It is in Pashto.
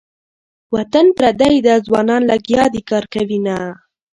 وطن پردی ده ځوانان لګیا دې کار کوینه.